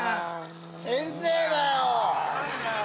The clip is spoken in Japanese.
先生だよ。